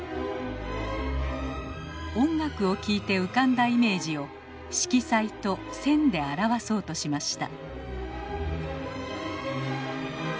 音楽を聴いて浮かんだイメージを色彩と線で表わそうとしました。